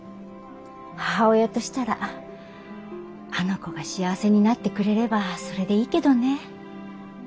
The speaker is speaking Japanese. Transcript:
母親としたらあの子が幸せになってくれればそれでいいけどね。